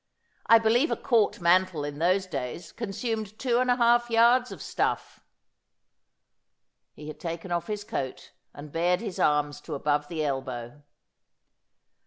I believe a Court mantle in those days consumed two yards and a half of stuff.' He had taken off his coat, and bared his arms to above the elbow.